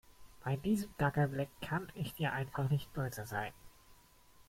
Bei diesem Dackelblick kann ich dir einfach nicht böse sein.